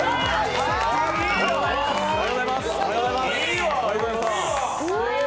おはようございます。